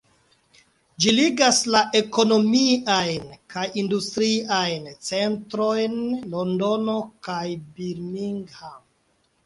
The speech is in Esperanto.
Ĝi ligas la ekonomiajn kaj industriajn centrojn Londono kaj Birmingham.